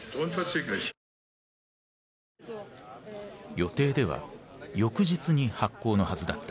予定では翌日に発行のはずだった。